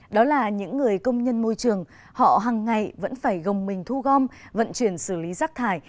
đó là những người công nhân môi trường họ hằng ngày vẫn phải gồng mình thu gom vận chuyển xử lý rác thải